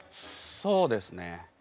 そうですね。